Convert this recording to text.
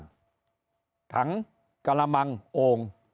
ในบ้านถังกะละมังโอ่ง